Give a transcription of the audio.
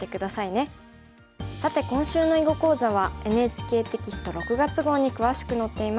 さて今週の囲碁講座はＮＨＫテキスト６月号に詳しく載っています。